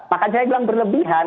maka saya bilang berlebihan